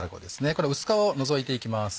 これは薄皮を除いていきます。